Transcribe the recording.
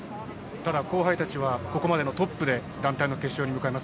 ただ、後輩たちはここまでのトップで団体の決勝に向かいます。